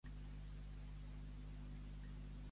Ja hem begut, ja hem menjat, gràcies a Déu que ens n'ha donat.